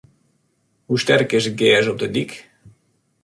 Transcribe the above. Hoe sterk is it gers op de dyk?